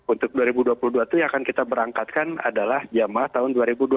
untuk dua ribu dua puluh dua itu yang akan kita berangkatkan adalah jamaah tahun dua ribu dua puluh